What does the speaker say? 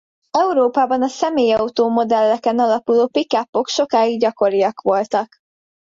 Európában a személyautó modelleken alapuló pick-upok sokáig gyakoriak voltak.